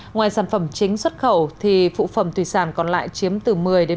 ngoài sản phẩm chính xuất khẩu thì phụ phẩm thủy sản còn lại chiếm từ một mươi một mươi